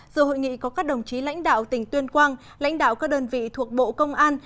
dự hội nghị có các đồng chí lãnh đạo tỉnh tuyên quang lãnh đạo các đơn vị thuộc bộ công an